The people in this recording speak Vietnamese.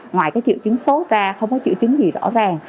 ngoài cái triệu chứng sốt ra không có triệu chứng gì rõ ràng